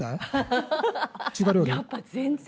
やっぱ全然！